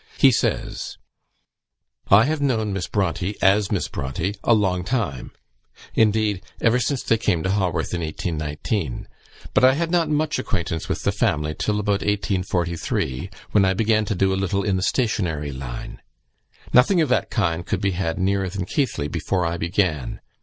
He says: "I have known Miss Bronte, as Miss Bronte, a long time; indeed, ever since they came to Haworth in 1819. But I had not much acquaintance with the family till about 1843, when I began to do a little in the stationery line. Nothing of that kind could be had nearer than Keighley before I began.